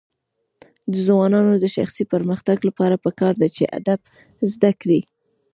د ځوانانو د شخصي پرمختګ لپاره پکار ده چې ادب زده کړي.